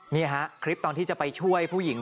นี่ฮะคลิปตอนที่จะไปช่วยผู้หญิง